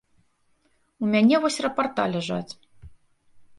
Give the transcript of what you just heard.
У мяне вось рапарта ляжаць.